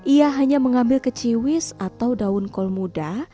ia hanya mengambil keciwis atau daun kol muda